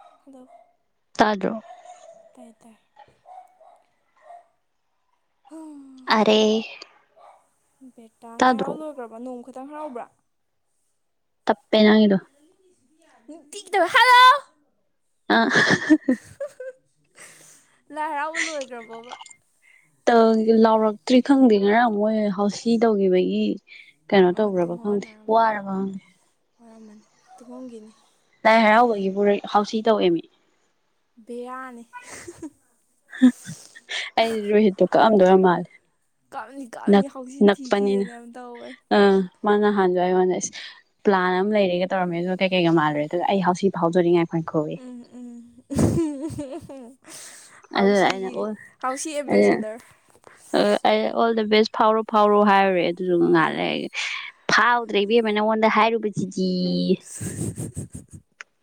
hello ꯇꯥꯗ꯭ꯔꯣ ꯇꯥꯏ ꯇꯥꯏ ꯑꯔꯦ ꯕꯦꯇꯥ ꯂꯥꯏꯍꯔꯥꯎ ꯇꯥꯗ꯭ꯔꯣ ꯂꯣꯏꯈ꯭ꯔꯕ ꯅꯣꯡ ꯈꯇꯪ ꯍꯔꯥꯎꯕ꯭ꯔꯥ ꯇꯞꯄꯦ ꯅꯪꯒꯤꯗꯣ ꯍꯜꯂꯣ ꯑꯥ ꯂꯥꯏ ꯍꯔꯥꯎꯕ ꯂꯣꯏꯈ꯭ꯔꯕꯣꯕ ꯂꯥꯎꯔꯛꯇ꯭ꯔꯤ ꯈꯪꯗꯦ ꯉꯔ ꯃꯣꯏ ꯍꯥꯎꯁꯤ ꯇꯧꯈꯤꯕꯒꯤ ꯀꯩꯅꯣ ꯑꯣ ꯇꯨꯝ ꯇꯧꯕ꯭ꯔꯕ ꯈꯪꯗꯦ ꯍꯧꯒꯠꯅꯔꯝꯃꯔꯣꯏ ꯋꯥꯔꯕ ꯈꯪꯗꯦ ꯋꯥꯔꯝꯃꯅꯤ ꯇꯨꯝꯃꯝꯒꯤꯅꯤ ꯂꯥꯏ ꯍꯔꯥꯎꯕꯒꯤ [unintelligible] ꯍꯥꯎꯁꯤ ꯇꯧꯋꯦꯃꯤ ꯕꯦꯔꯥꯅꯦ [unintelligible] ꯑꯩ ꯔꯣꯍꯤꯠꯇꯣ ꯀꯥꯛꯑꯝꯗꯣꯌꯥꯝ ꯃꯥꯜꯂꯦ ꯀꯛꯑꯝꯅꯤ ꯀꯛꯑꯝꯅꯤ ꯅꯛ ꯍꯧꯁꯤ ꯊꯤ ꯊꯤꯗꯅꯦ ꯌꯥꯝ ꯇꯧꯋꯦ ꯃꯥ ꯅꯍꯥꯟꯗꯣ ꯑꯩꯉꯣꯟꯗ ꯢꯁ ꯄ꯭ꯂꯥꯟ ꯑꯃ ꯂꯩꯔꯦꯒ ꯇꯧꯔꯝꯃꯦ ꯑꯗꯨ ꯀꯩ ꯀꯩꯒ ꯃꯥꯜꯂꯨꯔꯦ ꯑꯗꯨꯒ ꯑꯩ ꯍꯥꯎꯁꯤ ꯐꯥꯎꯖꯔꯤꯉꯥꯏ ꯎꯝ ꯎꯝ [unintelligible] ꯑꯗꯨꯒ ꯑꯩꯅ ꯍꯥꯎꯁꯤꯒꯤ ꯑꯣ ꯍꯥꯎꯁꯤ ꯑꯩꯅ ꯑꯦꯝꯕꯦꯁꯦꯗꯔ [unintelligible] ꯑꯩꯅ ꯑꯣꯜ ꯗ ꯕꯦꯁ ꯐꯥꯎꯔꯣ ꯐꯥꯎꯔꯣ ꯍꯥꯏꯔꯨꯔꯦ ꯑꯗꯨꯗꯨ ꯉꯥꯏ ꯎꯝ ꯂꯩꯔꯒ ꯐꯥꯎꯗ꯭ꯔꯦ ꯏꯕꯦꯝꯃ ꯅꯪꯉꯣꯟꯗ ꯍꯥꯏꯔꯨꯕꯖꯤ ꯇꯤ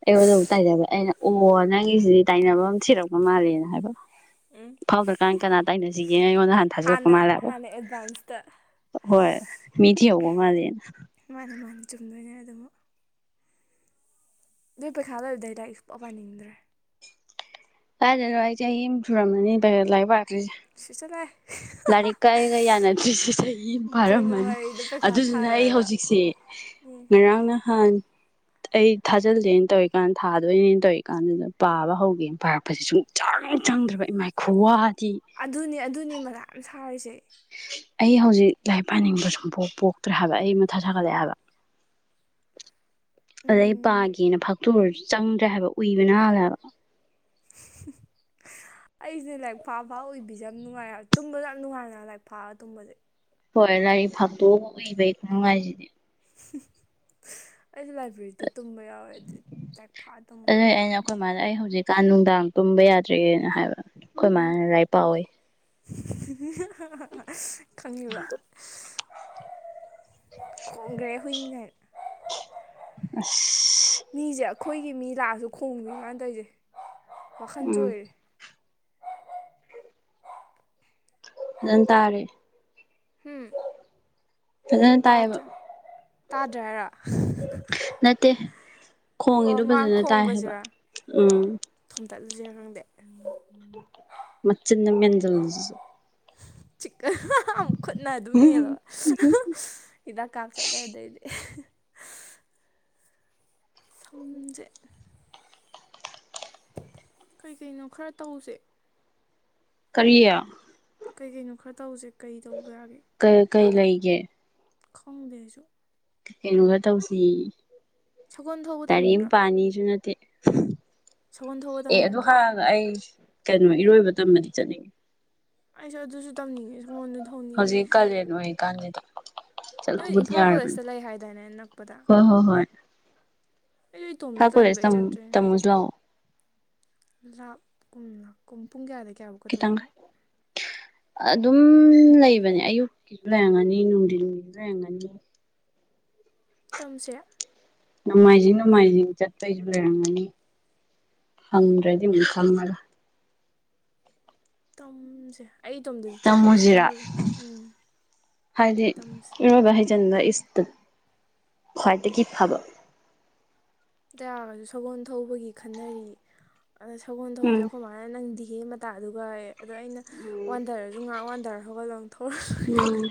ꯑꯩꯉꯣꯟꯗ ꯑꯃꯨꯛ ꯇꯥꯏꯅꯕ ꯑꯩꯅ ꯑꯣ ꯅꯪꯒꯤꯁꯤꯗꯤ ꯇꯥꯏꯅꯕꯝ ꯊꯤꯔꯛꯄ ꯃꯥꯜꯂꯦꯅ ꯍꯥꯏꯕ ꯎꯝ ꯐꯥꯎꯗ꯭ꯔꯀꯥꯟ ꯀꯅꯥ ꯇꯥꯏꯅꯁꯤꯒꯦ ꯑꯩꯉꯣꯟ ꯍꯥꯟꯅ ꯍꯥꯟꯅ ꯑꯦꯗꯚꯥꯟꯁ ꯍꯣꯏ ꯃꯤꯊꯤꯍꯧꯕ ꯃꯥꯜꯂꯦꯅ ꯃꯥꯥꯟꯅꯦ ꯆꯨꯝꯗꯣꯏꯅꯦ ꯑꯗꯨꯝ [unintelligible] ꯗꯨꯢ ꯄꯩꯈꯥ ꯂꯣꯏꯕꯗꯩ ꯂꯥꯏꯔꯤ ꯁꯨꯡꯄ ꯄꯅꯤꯡꯗ꯭ꯔꯦ ꯀꯥꯏꯗꯩꯅꯣ ꯑꯩ ꯆꯍꯤ ꯑꯝ ꯁꯨꯔꯝꯃꯅꯤ [unintelligible] ꯂꯥꯏꯔꯤꯛ ꯄꯥꯔꯛꯇ꯭ꯔꯤꯁꯦ [unintelligible] ꯆꯠꯂꯣꯍꯦ ꯂꯥꯏꯔꯤꯛꯀ ꯑꯩꯒ ꯌꯥꯅꯗ꯭ꯔꯤꯁꯦ ꯆꯍꯤ ꯑꯝ ꯐꯥꯔꯝꯃꯅꯤ ꯖꯅꯋꯥꯔꯤꯗ ꯄꯩꯈꯥ ꯑꯗꯨꯗꯨꯅ ꯑꯩ ꯊꯥꯈ꯭ꯔꯒ ꯍꯧꯖꯤꯛꯁꯦ ꯎꯝ ꯉꯔꯥꯡ ꯅꯍꯥꯟ ꯑꯩ ꯊꯥꯖꯤꯜꯂꯦꯅ ꯇꯧꯔꯤꯀꯥꯟ ꯊꯥꯗꯣꯏꯅꯦꯅ ꯇꯧꯔꯤꯀꯥꯟꯗꯨꯗ ꯄꯥꯕ ꯍꯧꯒꯦꯅ ꯄꯥꯔꯛꯄꯁꯦ ꯁꯨꯡ ꯆꯪ ꯆꯪꯗ꯭ꯔꯕ ꯏꯃꯥꯏ ꯈꯨꯋꯥ ꯑꯗꯨꯅꯦ ꯑꯗꯨꯅꯦ ꯃꯊꯥ ꯌꯥꯝ ꯁꯥꯔꯤꯁꯦ ꯑꯩ ꯍꯧꯖꯤꯛ ꯂꯥꯏꯔꯤꯛ ꯄꯥꯏꯅꯤꯡꯕ ꯁꯨꯝ ꯄꯣꯛ ꯄꯣꯛꯇ꯭ꯔꯦ ꯍꯥꯏꯕ ꯑꯩ ꯃꯊꯥ ꯁꯥꯒꯠꯂꯛꯑꯦ ꯍꯥꯏꯕ ꯑꯗꯩ ꯎꯝ ꯄꯥꯒꯦꯅ ꯐꯥꯛꯇꯨꯔꯁꯨ ꯆꯪꯗ꯭ꯔꯦ ꯍꯥꯏꯕ ꯎꯏꯕꯅ ꯍꯜꯂꯦꯕ ꯑꯩꯖꯦ ꯂꯥꯏꯔꯤꯛ ꯐꯥꯑ ꯐꯥꯑ ꯎꯏꯕꯤꯁꯦ ꯌꯥꯝ ꯅꯨꯡꯉꯥꯏꯍ ꯇꯨꯝꯕꯗ ꯌꯥꯝ ꯅꯨꯡꯉꯥꯏ [unintelligible] ꯂꯥꯏꯔꯤꯛ ꯐꯥꯛꯑ ꯇꯨꯝꯕꯁꯦ ꯍꯣꯏ ꯂꯥꯏꯔꯤꯛ ꯐꯥꯛꯇꯣꯛꯑ ꯎꯏꯕꯩ ꯈꯨꯅꯨꯡꯉꯥꯏꯖꯤꯗꯤ [unintelligible] ꯑꯩꯁꯨ ꯂꯥꯏꯕ꯭ꯔꯦꯔꯤꯗ ꯇꯨꯝꯕ ꯌꯥꯎꯋꯦ ꯑꯗꯨ ꯂꯥꯏꯔꯤꯛ ꯐꯥꯛꯑ ꯇꯨꯝꯕ ꯌꯥꯝ ꯅꯨꯡꯉꯥꯏ ꯀꯥꯟ ꯅꯨꯡꯗꯥꯡ ꯇꯨꯝꯕ ꯌꯥꯗ꯭ꯔꯦꯅ ꯍꯥꯏꯕ ꯈꯣꯏꯃꯥꯅ ꯂꯥꯏꯔꯤꯛ ꯄꯥꯎꯑꯣꯌꯦ [unintelligible] ꯍꯥ ꯍꯥ ꯍꯥ ꯈꯪꯉꯤꯕ ꯈꯣꯡꯒ꯭ꯔꯦ ꯍꯨꯏꯅꯤ ꯀꯥꯏꯅ ꯑꯁ ꯃꯤꯖꯦ ꯑꯈꯣꯏꯒꯤ ꯃꯤ ꯂꯥꯛꯑꯁꯨ ꯈꯣꯡꯕꯤ ꯃꯥ ꯇꯧꯏꯁꯦ ꯋꯥꯈꯟ ꯎꯝ ꯆꯣꯏꯔꯦ ꯅꯪ ꯇꯥꯔꯦ ꯍꯝ ꯐꯖꯟ ꯇꯥꯑꯦꯕ ꯇꯥꯗ꯭ꯔꯥ ꯍꯥꯏꯔꯣ ꯅꯠꯇꯦ ꯑꯣ ꯈꯣꯡꯉꯤꯗꯣ ꯃꯥꯅ ꯐꯖꯅ ꯇꯥꯏ ꯍꯥꯏꯕ ꯎꯝ ꯇꯠꯂꯖꯤꯔ ꯈꯪꯗꯦ ꯃꯆꯤꯟꯗꯣ ꯃꯦꯟꯖꯜꯂꯨ [unintelligible] ꯆꯤꯛ ꯑꯍꯥ ꯍꯥ ꯈꯨꯠꯅ ꯑꯗꯨꯝ ꯃꯦꯜꯂꯣ ꯑꯍꯥ ꯍꯤꯗꯥꯛ ꯀꯥꯞ ꯆꯠꯂꯦ ꯑꯗꯩꯗꯤ [unintelligible] ꯁꯝꯖꯦ ꯀꯩꯀꯩꯅꯣ ꯈꯔ ꯇꯧꯁꯦ ꯀꯔꯤ ꯀꯩ ꯀꯩꯅꯣ ꯈꯔ ꯇꯧꯖꯦ ꯀꯩ ꯇꯧꯕꯌ ꯀꯩ ꯀꯩ ꯂꯩꯒꯦ ꯈꯪꯗꯦ ꯑꯩꯖꯨ ꯀꯩꯅꯣꯒ ꯇꯧꯁꯤ ꯁꯒꯣꯜ ꯊꯧꯕ ꯇꯥꯥꯥꯏꯔꯛ ꯇꯝꯅꯤꯡꯗ꯭ꯔꯥ ꯄꯥꯅꯤꯁꯨ ꯅꯠꯇꯦ ꯁꯒꯣꯜ ꯊꯧꯕ ꯑꯦ ꯑꯗꯨ ꯇꯝꯅꯤꯡꯗ꯭ꯔꯥ ꯍꯥꯏꯔꯒ ꯑꯩ ꯀꯩꯅꯣ ꯏꯔꯣꯏꯕ ꯇꯝꯕꯗꯤ ꯆꯠꯅꯤꯡꯉꯤ ꯑꯩꯁꯨ ꯑꯗꯨꯁꯨ ꯇꯝꯅꯤꯡꯉꯦ ꯑꯩꯁꯨ ꯍꯧꯖꯤꯛ ꯀꯥꯂꯦꯟ ꯑꯣꯏꯔꯤ ꯀꯥꯟꯁꯤꯗ ꯅꯣꯏ ꯏꯝꯐꯥꯜ ꯀꯣꯂꯦꯖꯇ ꯂꯩ ꯍꯥꯏꯗꯥꯏꯅꯦ ꯑꯅꯛꯄꯗ ꯍꯣꯏ ꯍꯣꯏ ꯍꯣꯏ ꯏꯝꯐꯥꯜ ꯀꯣꯂꯦꯖ ꯇꯝ ꯇꯝꯃꯨꯁꯤ ꯂꯥꯛꯑꯣ ꯂꯥꯞꯀꯨꯝ ꯂꯀꯨꯝ ꯄꯨꯡ ꯀꯌꯥꯗꯩ ꯀꯌꯥꯕꯥꯎꯀ ꯈꯤꯇꯪ ꯇꯧꯖꯥꯠꯅꯣ ꯑꯗꯨꯝ ꯂꯩꯕꯅꯦ ꯑꯌꯨꯛꯀꯤꯁꯨ ꯂꯩꯔꯝꯒꯅꯤ ꯅꯨꯡꯊꯤꯟꯒꯤꯁꯨ ꯂꯩꯔꯝꯒꯅꯤ ꯇꯝꯁꯦ ꯅꯣꯡꯃꯥꯏꯖꯤꯡ ꯅꯣꯡꯃꯥꯏꯖꯤꯡ ꯆꯠꯄꯩꯁꯨ ꯂꯩꯔꯝꯒꯅꯤ ꯍꯪ꯭ꯗ꯭ꯔꯗꯤ ꯑꯃꯨꯛ ꯈꯪꯉꯔꯣꯏ ꯇꯝꯖꯦ ꯇꯝꯃꯨꯖꯤꯔꯥ ꯍꯥꯏꯗꯤ ꯇꯝꯁꯦ ꯏꯔꯣꯏꯕ ꯍꯩ ꯆꯟꯕ ꯏꯁ ꯇ ꯈ꯭ꯋꯥꯏꯗꯒꯤ ꯐꯕ ꯗꯌꯥꯒꯁꯨ ꯁꯒꯣꯜ ꯊꯧꯕꯒꯤ ꯈꯟꯅꯔꯤ ꯑꯗ ꯁꯒꯣꯜ ꯊꯧꯕꯁꯦ ꯎꯝ ꯑꯈꯣꯏꯃꯥꯅ ꯅꯪꯗꯤ ꯗꯤꯍꯦ ꯃꯇꯥꯗꯨꯒꯌꯦ ꯑꯗ ꯑꯩꯅ ꯋꯥꯟꯗꯔꯁꯨ ꯉꯥꯏꯍꯥꯛ ꯋꯥꯟꯗꯔ ꯍꯧꯒꯠꯂ ꯑꯃꯨꯛ ꯊꯧꯔ [unintelligible] ꯎꯝ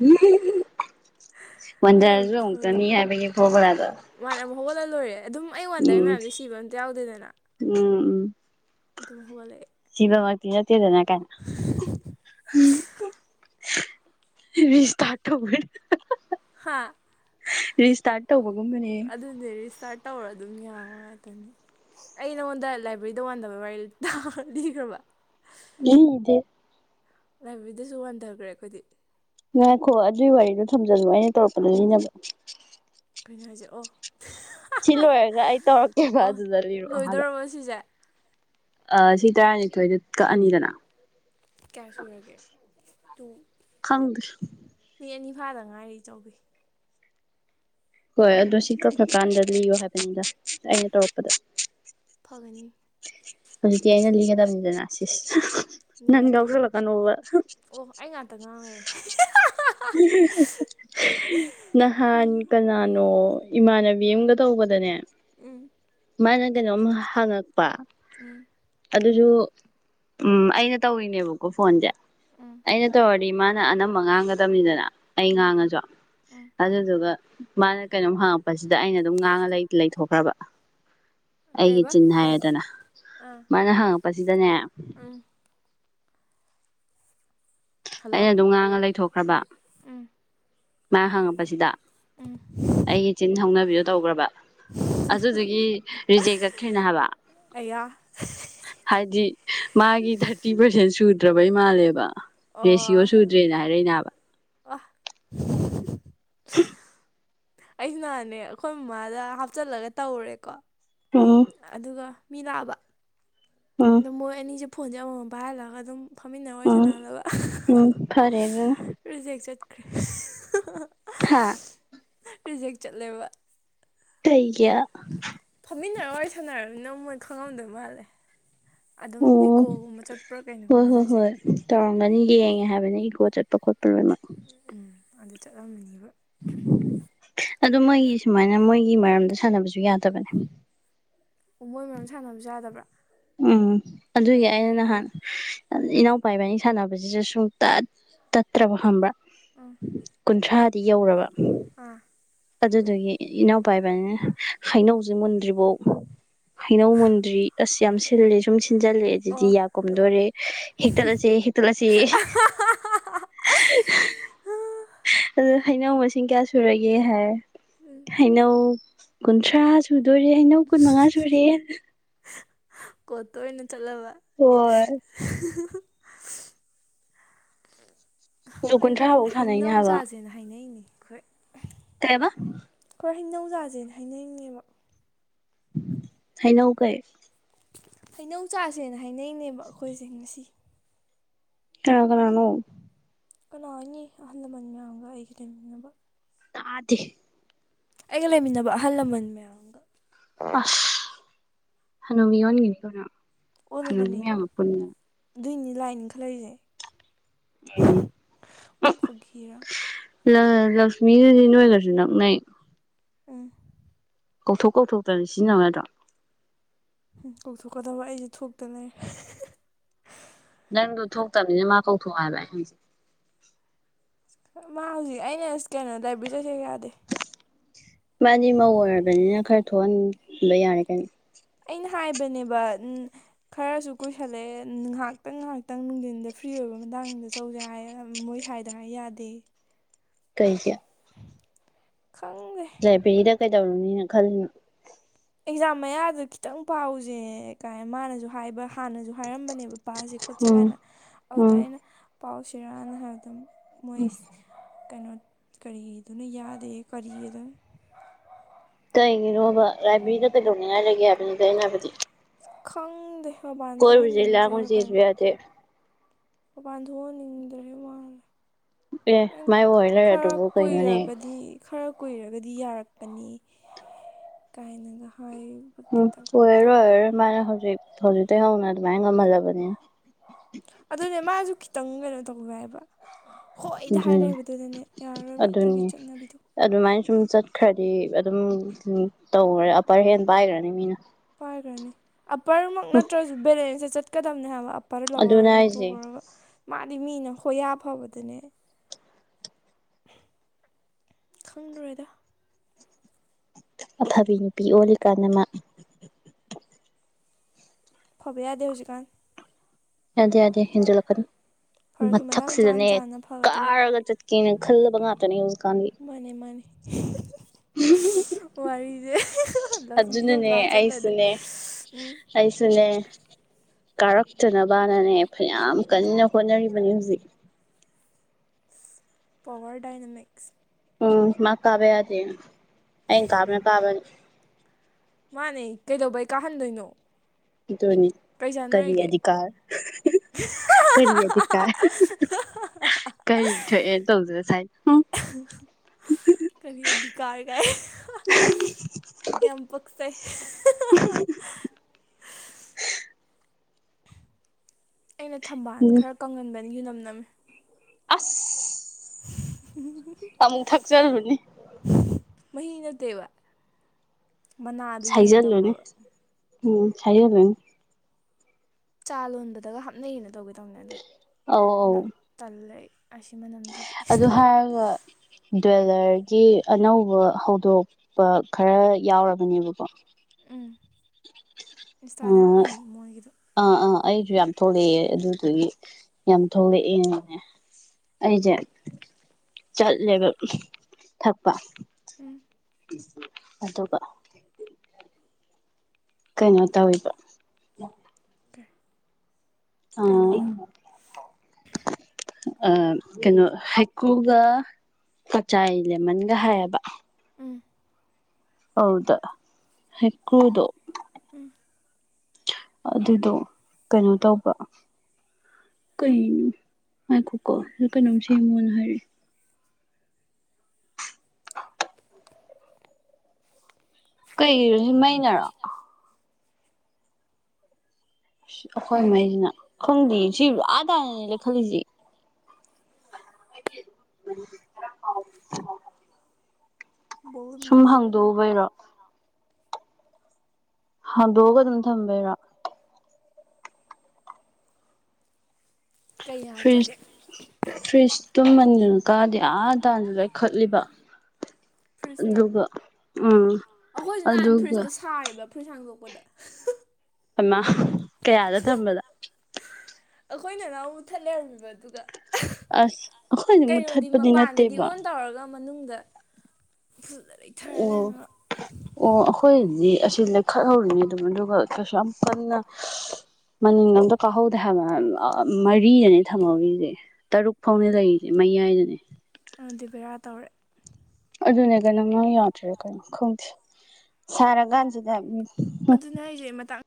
[unintelligible] ꯑꯩ ꯌꯥꯝ ꯋꯥꯟꯗꯔꯁꯨ ꯑꯃꯨꯛꯇꯅꯤ ꯊꯧꯅꯤꯡꯉꯦ ꯍꯥꯏꯕꯒꯤ ꯐꯣꯔꯃꯨꯂꯥꯗꯣ ꯃꯥꯅ ꯑꯃꯨꯛ ꯍꯧꯒꯠꯂ ꯂꯣꯏꯔꯦ ꯑꯗꯨꯝ ꯑꯩ ꯋꯥꯟꯗꯔꯤ ꯎꯝ ꯃꯌꯥꯝꯗꯣ ꯁꯤꯕ ꯑꯝꯇ ꯌꯥꯎꯗꯦꯗꯅ ꯎꯝ ꯎꯝ ꯑꯗꯨꯝ ꯍꯧꯒꯠꯂꯛꯑꯦ ꯁꯤꯕꯃꯛꯇꯤ ꯅꯠꯇꯦꯗꯅ ꯀꯥꯏꯅ [unintelligible] [unintelligible] ꯔꯤꯁ꯭ꯇꯥꯔꯠ ꯇꯧꯔꯦ [unintelligible] ꯍꯥ ꯔꯤꯁ꯭ꯇꯥꯔꯠ ꯇꯧꯕ ꯑꯗꯨꯅꯦ ꯔꯤꯏꯁ꯭ꯇꯥꯔꯠ ꯇꯧꯔ ꯑꯗꯨꯝ ꯌꯥꯕ ꯉꯥꯛꯇꯅꯦ ꯑꯩ ꯅꯪꯉꯣꯟꯗ ꯂꯥꯏꯕ꯭ꯔꯦꯔꯤꯗ ꯋꯥꯥꯟꯗꯕ ꯋꯥꯔꯤ ꯇꯥ ꯂꯤꯒ꯭ꯔꯕ ꯂꯤꯒꯤꯗꯦ ꯂꯥꯏꯕ꯭ꯔꯦꯔꯤꯗꯁꯨ ꯋꯥꯟꯗꯒ꯭ꯔꯦ ꯑꯈꯣꯏꯗꯤ ꯉꯥꯏꯈꯣ ꯑꯗꯨꯢ ꯋꯥꯔꯤꯗꯣ ꯊꯝꯖꯜꯂꯣ ꯑꯩꯅ ꯇꯧꯔꯛꯄꯗ ꯂꯤꯅꯕ ꯀꯩꯅꯣ ꯍꯥꯢꯖꯦ ꯑꯣ ꯁꯤ ꯂꯣꯏꯔꯒ ꯑꯩ ꯇꯧꯔꯛꯀꯦꯕꯥ ꯑꯣ ꯑꯗꯨꯗ ꯂꯤꯔꯛꯑꯣ ꯍꯥꯕ ꯂꯣꯏꯗꯧꯔꯕ ꯁꯤꯁꯦ ꯑ ꯁꯤ ꯇꯔꯥꯅꯤꯊꯣꯏꯗꯤ ꯀꯛꯑꯅꯤꯗꯅ ꯀꯌꯥ ꯁꯨꯔꯒꯦ ꯇꯨ ꯈꯪꯗꯦ ꯃꯤ ꯑꯅꯤ ꯐꯥꯗ ꯉꯥꯏꯔꯤ ꯏꯆꯧꯕꯤ ꯍꯣꯏ ꯑꯗꯣ ꯁꯤ ꯀꯛꯈ ꯀꯥꯟꯗ ꯂꯩꯌꯣ ꯍꯥꯏꯕꯅꯤꯗ ꯑꯩꯅ ꯇꯧꯔꯛꯄꯗ ꯐꯒꯅꯤ ꯍꯧꯖꯤꯛꯇꯤ ꯑꯩꯅ ꯂꯤꯒꯗꯕꯅꯤꯗꯅ ꯁꯤꯁ ꯅꯪ ꯂꯤꯔꯣ ꯂꯤꯔꯣ ꯌꯥꯎꯁꯜꯂꯛꯀꯅꯣꯕ ꯑꯣ ꯑꯩ ꯉꯥꯇ ꯉꯥꯡ ꯂꯩꯔꯦ [unintelligible] [unintelligible] ꯅꯍꯥꯟ ꯀ ꯀꯅꯥꯅꯣ ꯏꯃꯥꯟꯅꯕꯤ ꯑꯃꯝꯒ ꯇꯧꯕꯗꯅꯦ ꯎꯝ ꯃꯥꯥꯅ ꯀꯩꯅꯣꯝ ꯍꯥꯡꯉꯛꯄ ꯎꯝ ꯑꯗꯨꯁꯨ ꯎꯝ ꯑꯩꯅ ꯇꯧꯔꯤꯅꯦꯕꯀꯣ ꯐꯣꯟꯁꯦ ꯎꯝ ꯑꯩꯅ ꯇꯧꯔ [unintelligible] ꯃꯥꯅ ꯑꯅꯝꯕ ꯉꯥꯡꯒꯗꯕꯅꯤꯗꯅ ꯑꯩ ꯎꯝ ꯉꯥꯡꯉꯁꯨ ꯎꯝ ꯑꯗꯨꯗꯨꯒ ꯃꯥꯅ ꯀꯩꯅꯣꯝ ꯍꯪꯉꯛꯄꯁꯤꯗ ꯑꯩꯅ ꯑꯗꯨꯝ ꯉꯥꯡꯉ ꯂꯩ ꯂꯩꯊꯣꯛꯈ꯭ꯔꯕ ꯑꯩꯒꯤ ꯀꯩꯕ ꯆꯤꯟ ꯍꯥꯏꯔꯦꯗꯅ ꯑꯥ ꯃꯥꯅ ꯍꯪꯉꯛꯄꯁꯤꯗꯅꯦ ꯎꯝ ꯍꯜꯂꯣ ꯑꯩꯅ ꯑꯗꯨꯝ ꯉꯥꯡꯉ ꯂꯩꯊꯣꯛꯈ꯭ꯔꯕ ꯎꯝ ꯃꯥ ꯍꯪꯉꯛꯄꯁꯤꯗ ꯑꯩꯒꯤꯆꯤꯟ ꯍꯧꯅꯕꯤꯗꯣ ꯇꯧꯒ꯭ꯔꯕ ꯑꯗꯨꯗꯨꯒꯤ ꯔꯤꯖꯦꯛ ꯆꯠꯈ꯭ꯔꯤꯅꯦ ꯍꯥꯏꯕ ꯑꯌꯥ ꯍꯥꯏꯗꯤ ꯃꯥꯒꯤ ꯊꯔꯇꯤ ꯄꯥꯔꯁꯦꯟ ꯁꯨ ꯁꯨꯗ꯭ꯔꯕꯩ ꯃꯥꯜꯂꯦꯕ ꯔꯦꯁꯤꯌꯣ ꯁꯨꯗ꯭ꯔꯦꯅ ꯍꯥꯏꯔꯛꯏꯅꯦ ꯑꯥꯕ ꯑ [unintelligible] [inaudible] ꯑꯩꯁꯨ ꯅꯍꯥꯟꯅꯦ ꯑꯈꯣꯏꯃꯥꯗ ꯍꯥꯞꯆꯜꯂꯒ ꯇꯧꯔꯦꯀꯣ ꯎꯝ ꯑꯗꯨꯒ ꯃꯤ ꯂꯥꯛꯑꯕ ꯎꯝ ꯑꯗꯣ ꯃꯣꯏ ꯑꯅꯤꯁꯦ ꯐꯣꯟꯁꯦ ꯑꯃꯃꯝ ꯄꯥꯏꯍꯜꯂꯒ ꯑꯗꯨꯝ ꯐꯝꯃꯤꯟꯅꯔ ꯋꯥꯔꯤ ꯎꯝ ꯁꯥꯟꯅꯍꯜꯂꯕ [unintelligible] ꯎꯝ ꯐꯔꯦ ꯑꯗꯨꯅ ꯔꯤꯖꯦꯛ ꯆꯠꯈ꯭ꯔꯦ [unintelligible] ꯍꯥꯥ ꯔꯤꯖꯦꯛ ꯆꯠꯂꯦꯕ ꯀꯩꯒꯤ ꯃꯤꯟꯅꯔ ꯋꯥꯔꯤ ꯁꯥꯟꯅꯔꯕꯃꯤꯅ ꯃꯣꯏ ꯈꯪꯉꯝꯗꯣꯏ ꯃꯥꯜꯂꯦ ꯑꯗꯨꯝ ꯑꯣ ꯏꯀꯣꯒꯨꯝꯕ ꯆꯠꯄ꯭ꯔꯥ ꯀꯩꯅꯣ ꯍꯣꯏ ꯈꯪꯗꯦ ꯍꯣꯏ ꯔꯤꯖꯦꯛ ꯍꯣꯏ ꯇꯧꯔꯝꯒꯅꯤ ꯌꯦꯡꯉꯦ ꯍꯥꯏꯕꯅꯤ ꯏꯀꯣ ꯆꯠꯄ ꯈꯣꯠꯄ [unintelligible] ꯆꯠꯂꯝꯅꯤꯕ ꯑꯗꯨ ꯃꯣꯏꯒꯤ ꯁꯨꯃꯥꯏꯅ ꯃꯣꯏꯒꯤ ꯒꯤ ꯃꯔꯝꯗ ꯁꯥꯟꯅꯕꯁꯨ ꯌꯥꯗꯕꯅꯦ ꯑꯣ ꯃꯣꯏ ꯃꯔꯝ ꯁꯥꯟꯅꯕꯁꯨ ꯌꯥꯗꯕ꯭ꯔ ꯎꯝ ꯑꯗꯨꯒꯤ ꯑꯩꯅ ꯅꯍꯥꯟ ꯏꯅꯥꯎꯄꯥꯢꯕꯅꯤ ꯁꯥꯟꯅꯕꯁꯤꯁꯨ ꯁꯨꯡꯇꯠ ꯇꯠꯇ꯭ꯔꯕ ꯈꯪꯕ꯭ꯔꯥ ꯀꯨꯟꯊ꯭ꯔꯥ [unintelligible] ꯗꯤ ꯌꯧꯔꯕ ꯑꯥ ꯑꯗꯨꯗꯒꯤ ꯏꯅꯥꯎꯄꯥ ꯏꯕꯅꯤꯅ ꯍꯩꯅꯧꯖꯦ ꯃꯨꯟꯗ꯭ꯔꯤꯕꯥꯎ ꯍꯩꯅꯧ ꯃꯨꯟꯗ꯭ꯔꯤ ꯑꯁ ꯌꯥꯝ ꯁꯤꯜꯂꯦ ꯁꯨꯝ [unintelligible] ꯁꯤꯟꯖꯜꯂꯦꯖꯤꯗꯤ ꯑꯣ ꯌꯥ ꯀꯨꯝꯗꯣꯔꯦ ꯍꯦꯛꯇꯠꯂꯁꯦ ꯍꯦꯛꯇꯠꯂꯁꯦ [unintelligible] ꯍꯩꯅꯧ ꯃꯁꯤꯡ ꯀꯌꯥ ꯁꯨꯔꯒꯦ ꯍꯥꯏꯔ ꯍꯩꯅꯧ ꯀꯨꯟꯊ꯭ꯔꯥ ꯁꯨ ꯁꯨꯗꯧꯔꯦ ꯍꯩꯅꯧ ꯀꯨꯟꯃꯉꯥ ꯁꯨꯔꯦ ꯀꯣꯠꯇ ꯑꯣꯏꯅ ꯆꯠꯂꯕ ꯍꯣꯏ [unintelligible] ꯍꯨꯝꯐꯨ ꯑꯩ ꯍꯣꯔꯦꯟ ꯀꯨꯟꯊ꯭ꯔꯥꯐꯧ ꯁꯥꯟꯅꯩꯅꯦ ꯍꯩꯅꯧ ꯆꯥꯖꯦꯅ ꯍꯥꯏꯅꯩꯅꯦ ꯈꯣꯏ ꯀꯩꯑꯕ ꯈꯣꯏ ꯍꯅꯧ ꯆꯥꯖꯦꯅ ꯍꯥꯏꯅꯩꯅꯦꯕ ꯍꯥꯏꯅꯧ ꯀꯩ ꯍꯩꯅꯧ ꯆꯥꯁꯦꯅ ꯍꯥꯏꯅꯩꯅꯦꯕ ꯑꯈꯣꯏꯁꯦ ꯉꯁꯤ ꯀꯥꯅ ꯀꯥꯅꯅꯣ ꯀꯅꯥ ꯑꯣꯢꯅꯤ ꯑꯍꯜ ꯂꯃꯟ ꯃꯌꯥꯝꯒ ꯑꯩꯒ ꯂꯩꯃꯤꯟꯅꯕ ꯇꯥꯗꯦ ꯑꯩꯒ ꯂꯩꯃꯤꯟꯅꯕ ꯑꯍꯜ ꯂꯃꯟ ꯃꯌꯥꯝꯒ ꯑꯁ ꯍꯅꯨꯕꯤ ꯑꯣꯟꯒꯤꯅꯤꯀꯣ ꯅꯪ ꯍꯅꯨꯕꯤ ꯑꯣꯜꯂꯕꯅꯦ ꯃꯌꯥꯝꯒ ꯄꯨꯟꯗꯅ ꯑꯗꯨꯏꯅꯤ ꯂꯥꯏ ꯅꯤꯡꯈꯠꯂꯛꯏꯁꯦ ꯎꯝ ꯐꯒꯤꯔꯥ [unintelligible] ꯂꯛꯁꯃꯤꯗꯨꯗꯤ ꯅꯣꯏꯒꯁꯨ ꯅꯛꯅꯩ ꯎꯝ ꯀꯧꯊꯣꯛ ꯀꯧꯊꯣꯛꯇꯅ ꯁꯤꯖꯤꯟꯅꯧ ꯌꯥꯗ꯭ꯔꯣ ꯍꯝ ꯀꯧꯊꯣꯛꯀꯗꯕ ꯑꯩꯁꯦ ꯊꯣꯛꯇ ꯂꯩꯔꯦ [unintelligible] ꯅꯪꯗꯨ ꯊꯣꯛꯇꯝꯅꯤꯅ ꯃꯥ ꯀꯧꯊꯣꯛꯑꯣ ꯍꯥꯏꯕ ꯑꯩ ꯍꯥꯢꯖꯦ [unintelligible] ꯃꯥ ꯍꯧꯖꯤꯛ ꯑꯩꯅ ꯏꯁ ꯀꯩꯅꯣ ꯂꯥꯢꯕ꯭ꯔꯤ ꯆꯠꯁꯦꯒ ꯌꯥꯗꯦ ꯃꯥꯗꯤ ꯃꯧ ꯑꯣꯏꯔꯕꯅꯤꯅ ꯈꯔ ꯊꯣꯛꯍꯟ ꯕ ꯌꯥꯔꯦ ꯀꯩꯅꯣ ꯑꯩꯅ ꯍꯥꯏꯕꯅꯦꯕ ꯑꯝ ꯈꯔꯁꯨ ꯀꯨꯏꯁꯜꯂꯛꯑꯦ ꯉꯥꯏꯍꯥꯛꯇꯪ ꯉꯥꯏꯍꯥꯛꯇꯪ ꯅꯨꯡꯊꯤꯟꯗ ꯐ꯭ꯔꯤ ꯑꯣꯏꯕ ꯃꯇꯥꯡꯗ ꯆꯧꯁꯦ ꯍꯥꯏ ꯃꯣꯏ ꯁꯥꯏꯗ ꯍꯥꯏ ꯌꯥꯗꯦ ꯀꯩꯒꯤ ꯈꯪꯗꯦ ꯂꯥꯢꯕꯤꯔꯤꯗ ꯀꯩꯗꯧꯔꯨꯅꯤꯅ ꯈꯜꯂꯤꯅꯣ ꯑꯦꯛꯖꯥꯝ ꯃꯌꯥꯗ ꯈꯤꯇꯪ ꯄꯥꯎꯖꯦꯀꯥꯏ ꯃꯥꯅꯁꯨ ꯍꯥꯏꯕ ꯍꯥꯟꯅꯖꯨ ꯍꯥꯏꯔꯝꯕꯅꯦꯕ ꯄꯥꯁꯦ ꯈꯣꯠꯁꯦ ꯎꯝ ꯀꯥꯏꯅ ꯑꯧꯗ ꯎꯝ ꯑꯩꯅ ꯄꯥꯎꯁꯤꯔꯅ ꯍꯥꯏꯕꯗ ꯃꯣꯏꯁ ꯀꯩꯅꯣ ꯀꯔꯤꯗꯨꯨꯅ ꯌꯥꯗꯦꯌꯦ ꯀꯔꯤꯗꯨꯅ ꯀꯩꯒꯤꯅꯣꯕ ꯂꯥꯏꯕ꯭ꯔꯦꯔꯤꯗ ꯀꯩꯗꯧꯅꯤꯡꯉꯥꯏ ꯂꯩꯒꯦ ꯍꯥꯏꯕꯅꯤꯗ ꯑꯩꯅ ꯍꯥꯏꯕꯗꯤ ꯈꯪꯗꯦ ꯃꯄꯥꯟ ꯀꯣꯏꯔꯨꯖꯦ ꯊꯣꯛꯍꯟꯅꯤꯡꯗ꯭ꯔꯦ ꯂꯥꯡꯉꯨꯖꯦꯁꯨ ꯀꯩꯅꯣ ꯌꯥꯗꯦ ꯃꯄꯥꯟ ꯊꯣꯛꯍꯟꯅꯤꯡꯗ꯭ꯔꯦ ꯃꯥꯜꯂꯦ ꯑꯦ ꯑꯩ ꯃꯥꯏ ꯑꯣꯏ ꯈꯔ ꯂꯩꯔꯗꯨꯕꯨ ꯀꯩꯅꯣꯅꯦ ꯀꯨꯏꯔꯒꯗꯤ ꯈꯔ ꯀꯨꯏꯔꯒꯗꯤ ꯌꯥꯔꯛꯀꯅꯤ ꯀꯥꯏꯅꯒ ꯍꯥꯏꯕꯒꯤ ꯎꯝ ꯇꯧ ꯑꯣꯏꯔꯔꯣꯢ ꯑꯣꯏꯔꯔꯣꯢ ꯃꯥꯅ ꯍꯧꯖꯤꯛ ꯍꯧꯖꯤꯛꯇꯩ ꯍꯧꯅ ꯑꯗꯨꯃꯥꯢ ꯉꯝꯍꯜꯂꯕꯅꯤꯅ ꯑꯗꯨꯅꯦ ꯃꯥꯁꯨ ꯈꯤꯇꯪ ꯀꯩꯅꯣ ꯇꯧꯒꯦ ꯍꯥꯏꯕ ꯍꯣꯏꯗ ꯑꯗꯨꯅꯤ ꯍꯥꯏꯂꯩꯕꯗꯨꯗꯅꯦ ꯌꯥꯔꯔꯣꯏꯕ ꯑꯗꯨꯒꯤ ꯑꯗꯨꯅꯤ ꯆꯠꯅꯕꯤꯗꯣ ꯑꯗꯨꯃꯥꯏꯅ ꯁꯨꯝ ꯆꯠꯈ꯭ꯔꯗꯤ ꯑꯗꯨꯝ ꯇꯧꯈ꯭ꯔꯦ ꯑꯞꯄꯔ ꯍꯦꯟ ꯄꯥꯏꯈ꯭ꯔꯅꯤ ꯃꯤꯅ ꯄꯥꯢꯒ꯭ꯔꯅꯤ ꯑꯞꯄꯔꯃꯛ ꯅꯠꯇ꯭ꯔꯁꯨ ꯕꯦꯂꯦꯟꯁꯇ ꯆꯠꯀꯗꯝꯅꯦ ꯍꯥꯢꯕ ꯑꯞꯄꯔ ꯂꯋꯥꯔ ꯑꯗꯨꯅ ꯍꯥꯏꯁꯦ ꯇꯣꯛꯈ꯭ꯔꯒ ꯃꯥꯗꯤ ꯃꯤꯅ ꯍꯣꯌꯥ ꯐꯕꯗꯅꯦ ꯈꯪꯗ꯭ꯔꯦꯗ ꯑꯐꯕꯤ ꯅꯨꯄꯤ ꯑꯣꯜꯂꯤꯀꯥꯟꯅ ꯃꯥ ꯐꯕ ꯌꯥꯗꯦ ꯍꯧꯖꯤꯛꯀꯥꯟ ꯌꯥꯗꯦ ꯌꯥꯗꯦ ꯍꯦꯟꯖꯤꯜꯂꯛꯀ ꯐꯔꯁꯨ ꯃꯇꯥꯡ ꯆꯥꯅ ꯃꯊꯛꯁꯤꯗꯅꯦ ꯆꯥꯅ ꯐꯒꯗꯕ ꯀꯥꯔꯒ ꯆ ꯀꯩꯅꯣ ꯈꯜꯂꯕ ꯉꯥꯛꯇꯅꯦ ꯍꯧꯖꯤꯛ ꯃꯥꯅꯦ ꯃꯥꯅꯦ [unintelligible] ꯋꯥꯔꯤꯁꯦ [unintelligible] ꯂꯛꯁꯃꯤꯗꯣ ꯑꯗꯨꯅꯅꯦ ꯑꯝꯀ ꯍꯥꯞꯆꯜꯂꯗꯤ ꯑꯩꯁꯨꯅꯦ ꯑꯩꯁꯨꯅꯦ ꯀꯥꯔꯛꯇꯅꯕꯅꯅꯦ ꯐꯅꯌꯥꯝ ꯀꯟꯅ ꯍꯣꯠꯅꯔꯤꯕꯅ ꯍꯧꯖꯤꯛ ꯄꯋꯥꯔ ꯗꯥꯏꯅꯃꯤꯛꯁ ꯎꯝ ꯃꯥ ꯀꯥꯕ ꯌꯥꯗꯦ ꯑꯩꯅ ꯀꯥꯕꯅ ꯀꯥꯕꯅꯤ ꯃꯥꯅꯦ ꯀꯩꯗꯧꯕꯩ ꯀꯥꯍꯟꯗꯣꯏꯅꯣ ꯑꯗꯨꯅꯤ ꯀꯩ ꯀꯔꯤ ꯆꯥꯟꯅꯔꯤꯒꯦ ꯑꯗꯤꯀꯥꯔ ꯀꯔꯤꯑꯗꯤꯀꯥꯔ [unintelligible] ꯀꯔꯤ ꯊꯣꯛꯑꯦꯅ ꯇꯧꯖ ꯁꯥꯏꯅꯣ ꯍꯨꯝ [unintelligible] ꯀꯔꯤ ꯑꯙꯤꯀꯥꯔ ꯀꯥꯏ [unintelligible] ꯌꯥꯝ ꯄꯛꯆꯩ [unintelligible] ꯑꯩꯅ ꯊꯝꯕꯥꯟ ꯎꯝ ꯈꯔ ꯀꯪꯍꯟꯕꯅꯤ ꯌꯨ ꯅꯝ ꯅꯝꯃꯤ ꯑꯁ ꯍꯝ [unintelligible] ꯑꯃꯨꯛ ꯊꯛꯆꯜꯔꯨꯅꯤ ꯃꯍꯤ ꯅꯠꯇꯦꯕ ꯃꯅꯥꯗꯒꯤ ꯎꯅꯝ ꯁꯥꯏꯖꯜꯂꯨꯅꯤ ꯅꯝꯃꯕ ꯎꯝ ꯁꯥꯢꯖꯜꯂꯨꯅꯤ ꯆꯥ ꯂꯣꯟꯕꯗꯒ ꯍꯥꯞꯅꯩꯅ ꯇꯧꯒꯦ ꯇꯧꯅꯦ ꯑꯗꯨ ꯑꯧ ꯑꯧ ꯅꯪ ꯇꯜꯂꯦ ꯑꯩ ꯑꯁꯤ ꯃꯅꯝꯁꯤꯗꯤ [unintelligible] ꯇ꯭ꯋꯦꯂꯔꯒꯤ ꯑꯅꯧꯕ ꯍꯧꯗꯣꯛꯄ ꯈꯔ ꯌꯥꯎꯔꯕꯅꯦꯕꯀꯣ ꯎꯝ ꯏꯟꯁꯇꯥꯗ ꯌꯥꯝ ꯎꯏ ꯃꯣꯏꯒꯤꯗꯣ [unintelligible] ꯑꯥ ꯑꯥ ꯑꯩꯖꯨ ꯌꯥꯝ ꯊꯣꯛꯂꯛꯑꯦ ꯑꯗꯨꯗꯨꯒꯤ ꯌꯥꯝ ꯊꯣꯛꯂꯛꯑꯦꯅꯦ ꯑꯩꯖꯦ ꯆꯠꯂꯦꯕ ꯊꯛꯄ ꯎꯝ ꯑꯗꯨꯒ ꯀꯩꯅꯣ ꯇꯧꯋꯤꯕ ꯑꯥ ꯀꯩꯅꯣꯗꯣ ꯑꯥ ꯀꯩꯅꯣ ꯍꯩꯀ꯭ꯔꯨꯒ ꯀꯆꯥꯏ ꯂꯦꯃꯟꯒ ꯍꯥꯏꯌꯦꯕ ꯎꯝ ꯑꯧꯗ ꯍꯩꯀ꯭ꯔꯨꯗꯣ ꯎꯝ ꯑꯗꯨꯗꯣ ꯀꯩꯅꯣ ꯇꯧꯕ ꯀꯩꯅꯣ ꯉꯥꯏꯈꯣ ꯀꯣ ꯁꯤꯗ ꯀꯩꯅꯣꯝ ꯁꯦꯝꯃꯣꯅ ꯍꯥꯏꯔꯛꯑꯦ ꯀꯩꯔꯣꯁꯤ ꯃꯩꯅꯔꯣ ꯑꯁ ꯑꯩꯈꯣꯏ ꯃꯩꯁꯤꯅ ꯈꯪꯗꯤꯌꯦ ꯁꯤ ꯑꯥ ꯇꯥꯟꯅꯅꯦ ꯂꯩꯈꯠꯂꯤꯁꯦ [inaudible] ꯕꯣꯂꯨꯝꯗ ꯁꯨꯝ ꯍꯥꯡꯗꯣꯛꯎꯕꯩꯔꯣ ꯍꯥꯡꯗꯣꯛꯑꯒ ꯑꯗꯨꯝ ꯊꯝꯕꯩꯔꯣ ꯀꯩ ꯐ꯭ꯔꯤꯖ ꯌꯥꯗ꯭ꯔꯒꯦ ꯐ꯭ꯔꯤꯖ ꯇꯨ ꯃꯅꯤꯟꯀꯥꯗꯦ ꯑꯥ ꯇꯥꯅꯁꯨ ꯂꯩꯈꯠꯂꯤꯕ ꯐ꯭ꯔꯤꯖꯇ ꯑꯗꯨꯒ ꯎꯝ ꯑꯩꯈꯣꯏꯁꯨ ꯅꯍꯥꯟ ꯑꯗꯨꯒ ꯐ꯭ꯔꯤꯖꯇ ꯁꯥꯔꯦꯕ ꯐ꯭ꯔꯤꯖ ꯍꯥꯡꯗꯣꯛꯄꯗ ꯍꯩꯃꯥ ꯀꯌꯥꯗ ꯊꯝꯕꯗ ꯑꯩꯈꯣꯢ ꯅꯅꯥꯎ ꯃꯨꯊꯠ ꯂꯩꯔꯝꯃꯤꯕ ꯑꯗꯨꯒ ꯑꯁ ꯑꯩꯈꯣꯏꯗꯤ ꯀꯩꯅꯣꯗꯤ ꯃꯨꯊꯠꯄꯗꯤ ꯃꯄꯥꯟꯗꯗꯤ ꯅꯠꯇꯦꯕ ꯑꯣꯟ ꯇꯧꯔꯒ ꯃꯅꯨꯡꯗ ꯐꯖꯅ ꯂꯩꯊꯔ ꯑꯣ ꯂꯩꯔꯝꯃꯤꯕ ꯑꯣ ꯑꯩꯈꯣꯏꯗꯤ ꯑꯁꯤ ꯂꯩꯈꯠꯍꯧꯔꯤꯅꯤ ꯑꯗꯨꯝ ꯑꯗꯨꯒ ꯀꯩꯁꯨ ꯌꯥꯝ ꯀꯟꯅ ꯃꯅꯤꯟꯒ ꯑꯝꯇ ꯀꯥꯍꯧꯗꯦ ꯍꯥꯏꯕ ꯃꯔꯤꯗꯅꯦ ꯊꯝꯍꯧꯔꯤꯁꯦ ꯇꯔꯨꯛ ꯐꯥꯎꯅꯦ ꯂꯩꯔꯤꯁꯦ ꯃꯌꯥꯏꯗꯅꯦ ꯗꯤ ꯚꯦꯔꯥ ꯇꯧꯔꯦ ꯑꯗꯨꯅꯦ ꯃꯩ ꯌꯥꯗ꯭ꯔꯤꯔꯥ ꯀꯩꯅꯣ ꯈꯣꯡꯗꯦ ꯁꯥꯔꯀꯥꯟꯁꯤꯗ ꯑꯗꯨꯅꯦ ꯍꯥꯏꯁꯦ ꯃꯇꯥꯡ